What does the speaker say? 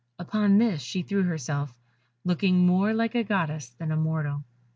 Upon this she threw herself, looking more like a goddess than a mortal.